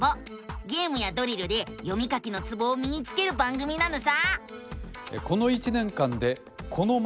ゲームやドリルで読み書きのツボをみにつける番組なのさ！